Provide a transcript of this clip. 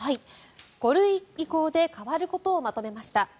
５類移行で変わることをまとめました。